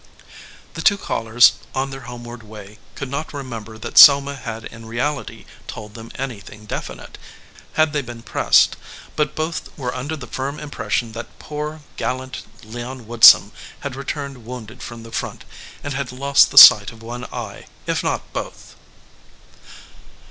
The two callers, on their homeward way, could not remember that Selma had in reality told them anything definite, had they been pressed, but both were under the firm impression that poor, gallant Leon Woodsum had returned wounded from the front, and had lost the sight of one eye, if not both.